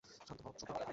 শান্ত হও, সত্য!